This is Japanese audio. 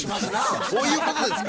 どういうことですか？